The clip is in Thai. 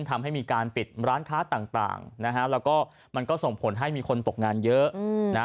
ทำให้มีการปิดร้านค้าต่างนะฮะแล้วก็มันก็ส่งผลให้มีคนตกงานเยอะนะ